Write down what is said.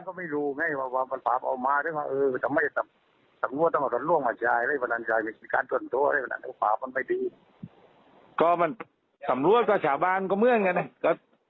ก็สำรวจกับข่าวบ้านก็เมื่องกัน